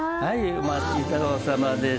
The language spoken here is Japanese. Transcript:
お待ち遠さまです！